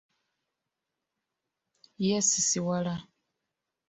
Yeesisiwala.